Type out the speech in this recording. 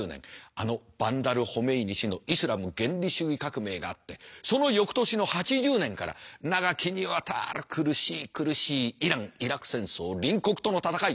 あのバンダル・ホメイニ師のイスラム原理主義革命があってその翌年の８０年から長きにわたる苦しい苦しいイラン・イラク戦争隣国との戦い。